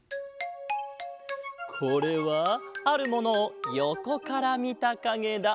これはあるものをよこからみたかげだ。